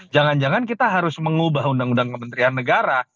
jangan jangan kita harus mengubah undang undang kementerian negara